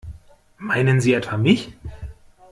Meinen Sie etwa mich?